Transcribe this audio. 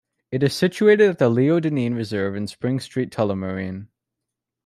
It is situated at the Leo Dineen Reserve in Spring Street Tullamarine.